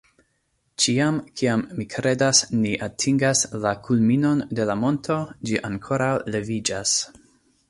Ĉiam kiam mi kredas ni atingas la kulminon de la monto, ĝi ankoraŭ leviĝas